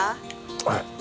はい。